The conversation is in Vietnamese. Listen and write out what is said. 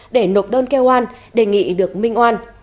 để nộp đơn kêu an đề nghị được minh oan